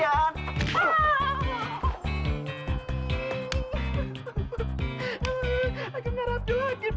aku ngarap dia lagi